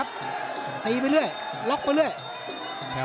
ฝ่ายทั้งเมืองนี้มันตีโต้หรืออีโต้